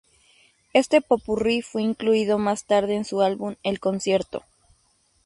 Este popurrí fue incluido más tarde en su álbum El Concierto.